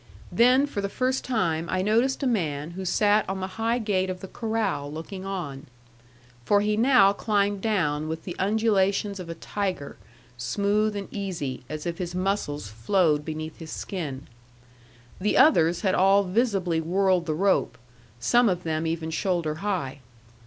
Then for the first time I noticed a man who sat on the high gate of the corral, looking on. For he now climbed down with the undulations of a tiger, smooth and easy, as if his muscles flowed beneath his skin. The others had all visibly whirled the rope, some of them even shoulder high.